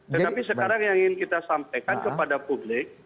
tetapi sekarang yang ingin kita sampaikan kepada publik